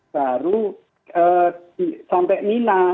baru sampai minah